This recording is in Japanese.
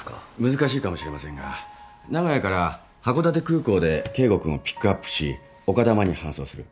難しいかもしれませんが名古屋から函館空港で圭吾君をピックアップし丘珠に搬送する。